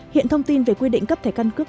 hiện thông tin về quy định cấp thẻ căn cước